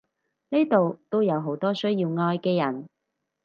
呢度都有好多需要愛嘅人！